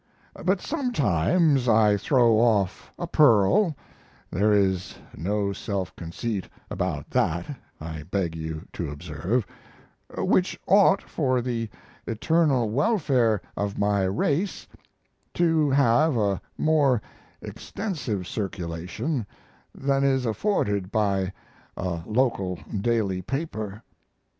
But sometimes I throw off a pearl (there is no self conceit about that, I beg you to observe) which ought for the eternal welfare of my race to have a more extensive circulation than is afforded by a local daily paper.